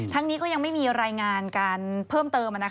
นี้ก็ยังไม่มีรายงานการเพิ่มเติม